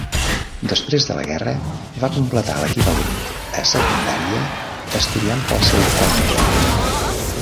Després de la guerra va completar l"equivalent a secundària estudiant pel seu compte.